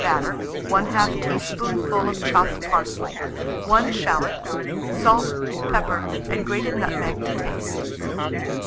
batter, 1/2 teaspoonful of chopped parsley, 1 shalot; salt, pepper, and grated nutmeg to taste.